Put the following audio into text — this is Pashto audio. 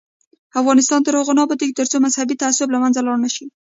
افغانستان تر هغو نه ابادیږي، ترڅو مذهبي تعصب له منځه لاړ نشي.